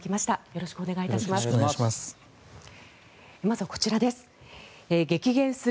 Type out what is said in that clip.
よろしくお願いします。